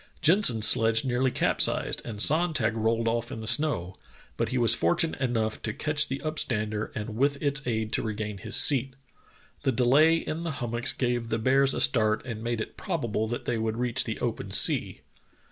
Jensen's sledge nearly cap sized, and Sonntag rolled off in the snow, but he was fortunate enough to catch the upstander and with its aid to regain his seat. The delay in the hummocks gave the bears a start and made it probable that they would reach the open sea.